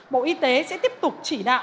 bộ y tế sẽ tiếp tục chỉ đạo